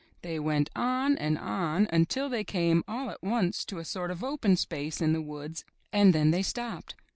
They went on and on until they came, all at once, to a sort of open space in the woods and then they stopped.